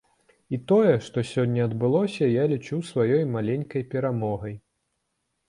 І тое, што сёння адбылося, я лічу сваёй маленькай перамогай.